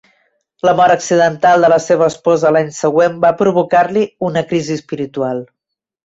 La mort accidental de la seva esposa l'any següent va provocar-li una crisi espiritual.